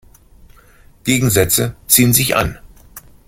Gegensätze ziehen sich an.